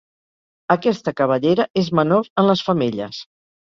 Aquesta cabellera és menor en les femelles.